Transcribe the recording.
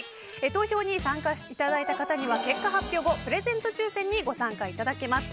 投票に参加いただいた方には結果発表後、プレゼント抽選にご参加いただけます。